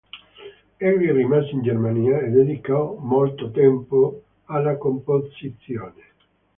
Egli rimase in Germania e dedicò molto tempo alla composizione.